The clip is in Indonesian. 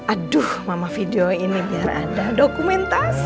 aduh mama video ini biar ada dokumentasi